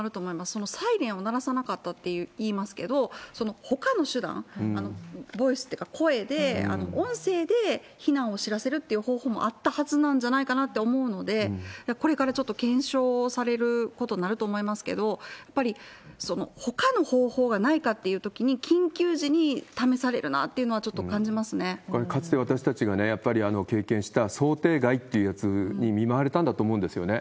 そのサイレンを鳴らさなかったといいますけれども、ほかの手段、ボイスというか、声で、音声で避難を知らせるっていう方法もあったはずなんじゃないかなって思うので、これからちょっと検証をされることになると思いますけれども、やっぱりほかの方法がないかっていうときに、緊急時に試されるなっていうのは、かつて、私たちがやっぱり経験した、想定外っていうやつに見舞われたんだと思うんですよね。